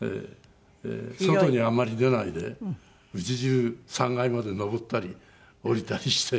外にあまり出ないで家中３階まで上ったり下りたりして。